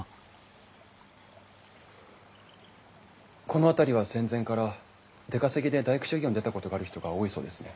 この辺りは戦前から出稼ぎで大工修業に出たことがある人が多いそうですね。